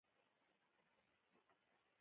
دوی د ناروغیو مخه نیسي.